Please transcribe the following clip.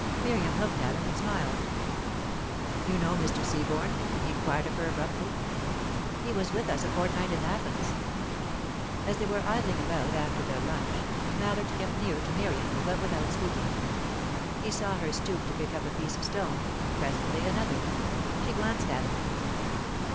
Miriam looked at him and smiled. "You know Mr. Seaborne?" he inquired of her, abruptly. "He was with us a fortnight in Athens." As they were idling about, after their lunch, Mallard kept near to Miriam, but without speaking. He saw her stoop to pick up a piece of stone; presently another. She glanced at him.